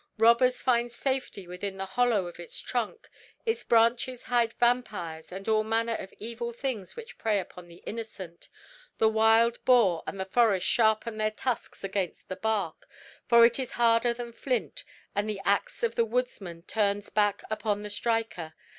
"Robbers find safety within the hollow of its trunk; its branches hide vampires and all manner of evil things which prey upon the innocent; "The wild boar of the forest sharpen their tusks against the bark, for it is harder than flint, and the axe of the woodsman turns back upon the striker.